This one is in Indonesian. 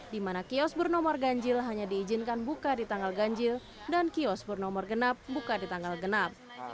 di mana kios bernomor ganjil hanya diizinkan buka di tanggal ganjil dan kios bernomor genap buka di tanggal genap